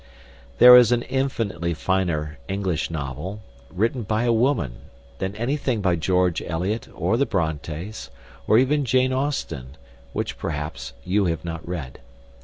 There is an infinitely finer English novel, written by a woman, than anything by George Eliot or the Brontes, or even Jane Austen, which perhaps you have not read.